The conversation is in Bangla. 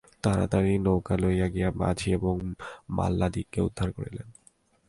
তাড়াতাড়ি নৌকা লইয়া গিয়া মাঝি এবং মাল্লাদিগকে উদ্ধার করিলেন।